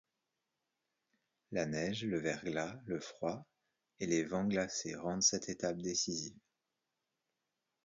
La neige, le verglas, le froid et les vents glacés rendent cette étape décisive.